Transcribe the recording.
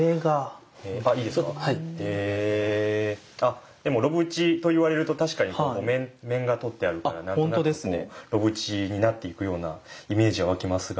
あっでも炉縁と言われると確かにここ面が取ってあるから何となくこう炉縁になっていくようなイメージは湧きますが。